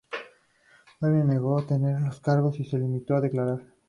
Barbie negó todos los cargos y se limitó a declarar.